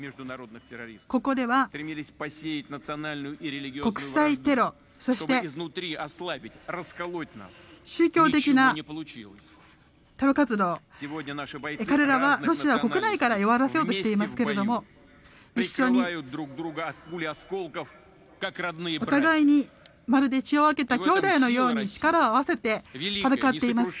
ここでは国際テロそして宗教的なテロ活動彼らはロシアを国内から弱らせようとしていますが一緒にお互いにまるで血を分けた兄弟のように力を合わせて戦っています。